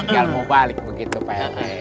kalau mau balik begitu pak rt